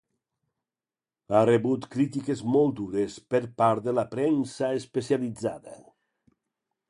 Ha rebut crítiques molt dures per part de la premsa especialitzada.